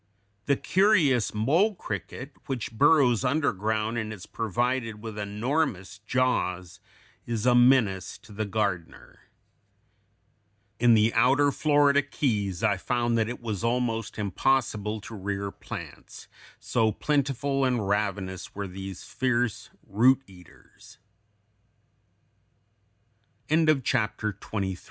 The curious mole cricket, which burrows underground and is provided with enormous jaws, is a menace to the gardener. In the outer Florida Keys I found that it was almost impossible to rear plants, so plentiful and ravenous were these fier